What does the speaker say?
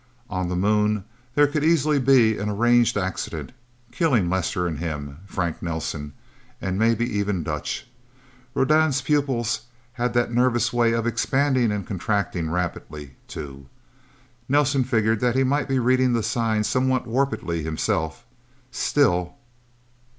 On the Moon there could easily be an arranged accident, killing Lester, and him Frank Nelsen and maybe even Dutch. Rodan's pupils had that nervous way of expanding and contracting rapidly, too. Nelsen figured that he might be reading the signs somewhat warpedly himself. Still...?